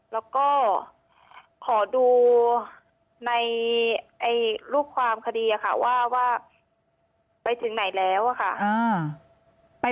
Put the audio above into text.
แล้วก็ขอดูในรูปความคดีค่ะว่าไปถึงไหนแล้วค่ะ